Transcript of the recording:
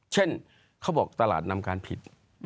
เช่นเขาบอกตลาดนำการผิด